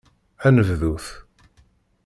Ad nebdut!